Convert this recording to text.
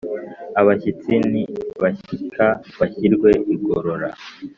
abashyitsi nibashyika bashyirwe igorora